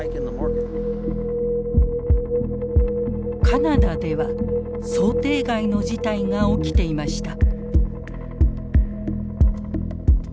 カナダでは想定外の事態が起きていました。